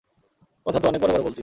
কথা তো অনেক বড় বড় বলতি।